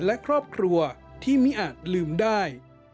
และครอบครัวที่ไม่อาจลืมได้